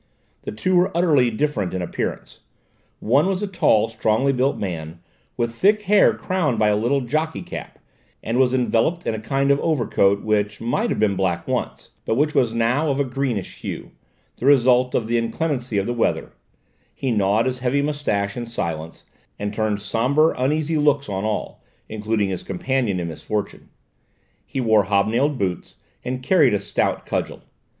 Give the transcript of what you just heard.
The two were utterly different in appearance. One was a tall, strongly built man, with thick hair crowned by a little jockey cap, and was enveloped in a kind of overcoat which might have been black once but which was now of a greenish hue, the result of the inclemency of the weather; he gnawed his heavy moustache in silence and turned sombre, uneasy looks on all, including his companion in misfortune. He wore hobnailed shoes and carried a stout cudgel.